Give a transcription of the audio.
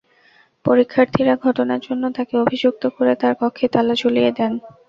শিক্ষার্থীরা ঘটনার জন্য তাঁকে অভিযুক্ত করে তাঁর কক্ষে তালা ঝুলিয়ে দেন।